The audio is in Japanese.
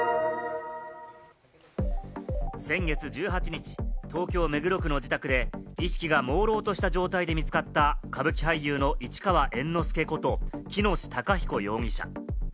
先月１８日、東京・目黒区の自宅で意識がもうろうとした状態で見つかった歌舞伎俳優の市川猿之助こと喜熨斗孝彦容疑者。